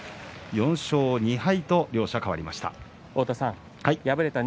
４勝２敗と両者変わりました。